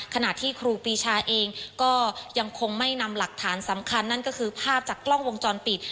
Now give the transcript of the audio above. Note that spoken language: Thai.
ขณะที่ครูปีชาเองก็ยังคงไม่นำหลักฐานสำคัญนั่นก็คือภาพจากกล้องวงจรปิด